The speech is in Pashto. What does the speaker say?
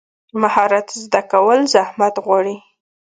مهارت زده کول زحمت غواړي.